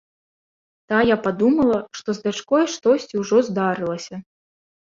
Тая падумала, што з дачкой штосьці ўжо здарылася.